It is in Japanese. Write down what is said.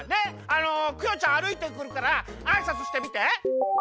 あのクヨちゃんあるいてくるからあいさつしてみて。